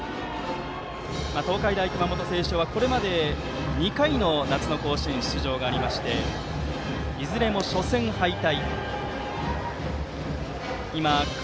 東海大熊本星翔はこれまで２回の夏の甲子園出場がありましていずれも初戦敗退。